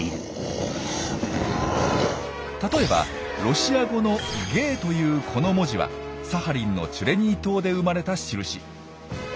例えばロシア語の「ゲー」というこの文字はサハリンのチュレニー島で生まれた印。